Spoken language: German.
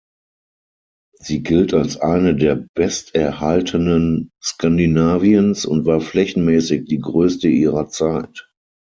Sie gilt als eine der besterhaltenen Skandinaviens und war flächenmäßig die größte ihrer Zeit.